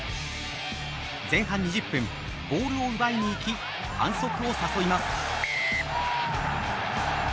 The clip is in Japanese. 前半２０分、ボールを奪いにいき、反則を誘います。